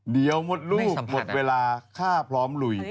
เดี๋ยวมดลูกหมดเวลาข้าพร้อมลุย